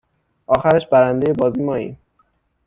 آخرش برنده ی بازی ماییم